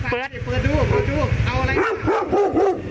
เปิดดูเอาอะไร